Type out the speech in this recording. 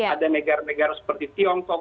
ada negara negara seperti tiongkok